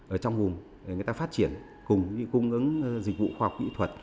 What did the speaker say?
ở trong vùng để người ta phát triển cùng với cung ứng dịch vụ khoa học kỹ thuật